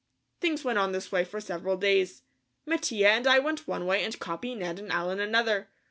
Things went on this way for several days. Mattia and I went one way and Capi, Ned, and Allen another.